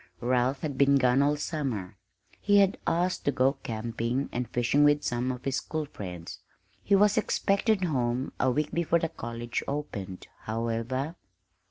Ralph had been gone all summer; he had asked to go camping and fishing with some of his school friends. He was expected home a week before the college opened, however.